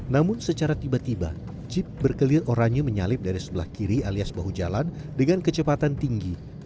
namun secara tiba tiba jeep berkelir oranye menyalip dari sebelah kiri alias bahu jalan dengan kecepatan tinggi